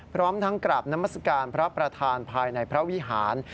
พร้อมทั้งกราบนามัศกาลพระประธานภายในพระวิหาร